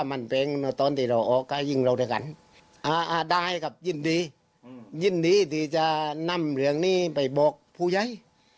เรียงนี้ไปบอกผู้ใหญ่